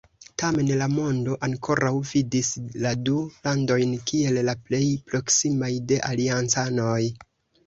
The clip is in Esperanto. Tamen la mondo ankoraŭ vidis la du landojn kiel la plej proksimaj de aliancanoj.